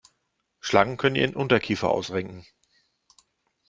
Schlangen können ihren Unterkiefer ausrenken.